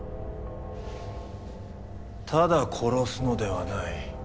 ただ殺すのではない。